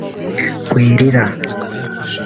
‘Wirira’